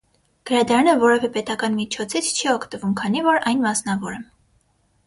Գրադարանը որևէ պետական միջոցից չի օգտվում, քանի որ այն մասնավոր է։